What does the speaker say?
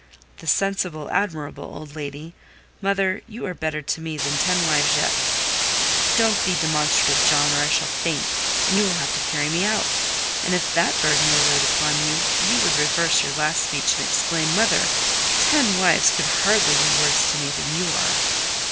"The sensible, admirable old lady! Mother, you are better to me than ten wives yet." "Don't be demonstrative, John, or I shall faint, and you will have to carry me out; and if that burden were laid upon you, you would reverse your last speech, and exclaim, 'Mother, ten wives could hardly be worse to me than you are!